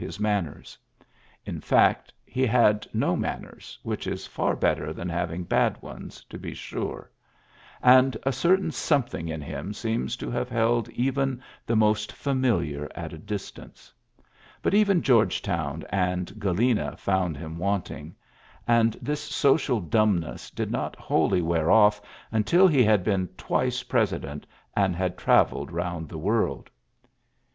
his manners. In fEbct, he had no ms ners, which is far better than havi bad ones, to be sure ; and a certs something in him seems to have hi even the most feuniliar at a distant But even Georgetown and Galena fou him wanting ; and this social dumbn did not wholly wear oflf until he h been twice President and had travel! round the world.